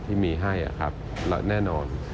ที่มีให้ครับแน่นอน